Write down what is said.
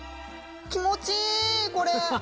気持ちいいこれ！